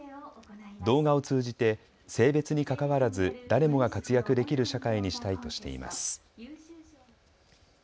動画を通じて性別にかかわらず誰もが活躍できる社会にしたいとしています。